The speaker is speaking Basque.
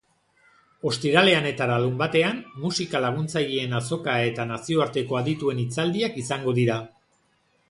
Ostiralean eta larunbatean, musika laguntzaileen azoka eta nazioarteko adituen hitzaldiak izango dira.